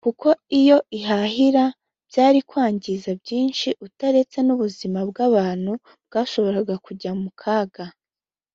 kuko iyo ihahira byarikwangiza byinshi utaretse n’ubuzima bw’abantu bwashoboraga kujya mu kaga